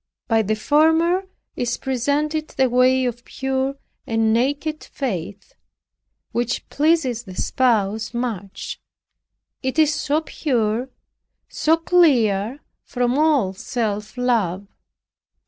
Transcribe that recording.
By the former is represented the way of pure and naked faith, which pleases the Spouse much, it is so pure, so clear from all self love.